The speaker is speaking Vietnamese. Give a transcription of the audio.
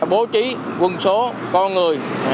bố trí quân số con người